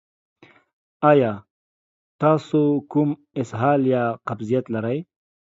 ایا تاسو کوم اسهال یا قبضیت لرئ؟